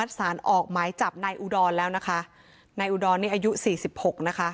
สารออกหมายจับนายอุดรแล้วนะคะนายอุดรนี่อายุสี่สิบหกนะคะ